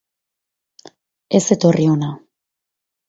Ez etorri hona.